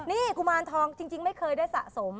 นี่คุมมารทองไม่เคยได้สะสม